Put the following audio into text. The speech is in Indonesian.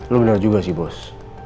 lu benar juga sih bos